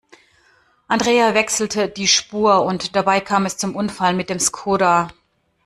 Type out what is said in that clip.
Andrea wechselte die Spur und dabei kam es zum Unfall mit dem Skoda.